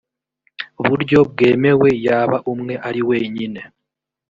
buryo bwemewe yaba umwe ari wenyine